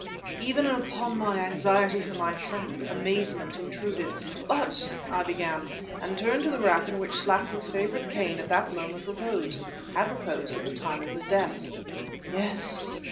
Even in upon my anxiety for my friend, amazement intruded. "But," I began and turned to the rack in which Slattin's favorite cane at that moment reposed had reposed at the time of his death. Yes!